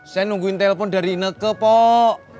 saya nungguin telepon dari ineke pak